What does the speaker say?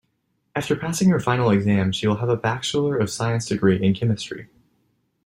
After passing her final exam she will have a bachelor of science degree in chemistry.